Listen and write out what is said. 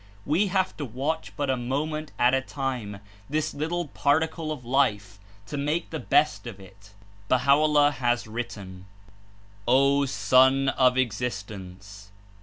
We have to watch but a moment at a time, this little par ticle of life, to make the best of it. Baha'o'llah has written : ''O Son of Existence!